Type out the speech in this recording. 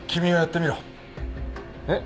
えっ？